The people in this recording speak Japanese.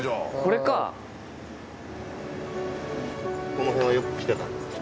この辺はよく来てたんですか？